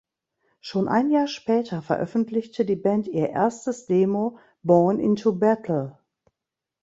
Schon ein Jahr später veröffentlichte die Band ihr erstes Demo "Born into Battle".